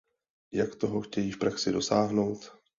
Jak toho chtějí v praxi dosáhnout?